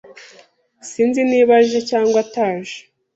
Sinzi niba aje cyangwa ataje.